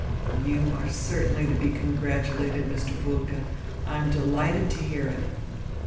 "You are certainly to be congratulated, Mr. Bulke. I am delighted to hear it."